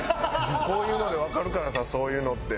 こういうのでわかるからさそういうのって。